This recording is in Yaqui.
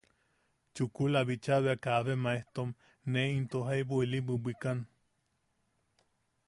Chukula bicha bea kabe Maejtom ne into jaubu ili bwibwikan.